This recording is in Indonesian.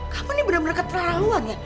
kamu ini bener bener ke terlaluan ya